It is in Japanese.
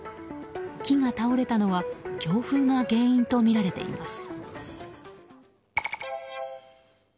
木が倒れたのは強風が原因とみられています。